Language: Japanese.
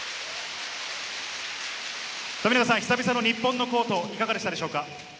富永さん、久々の日本のコート、いかがでしたでしょうか？